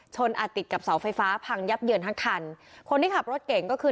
อาจติดกับเสาไฟฟ้าพังยับเยินทั้งคันคนที่ขับรถเก่งก็คือ